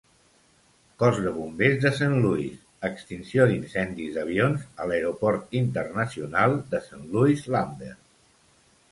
Cos de bombers de Saint Louis - Extinció d'incendis d'avions a l'Aeroport Internacional de Saint Louis-Lambert.